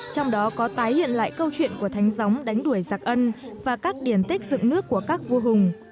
trong đó có tái hiện lại câu chuyện của thánh gióng đánh đuổi giặc ân và các điển tích dựng nước của các vua hùng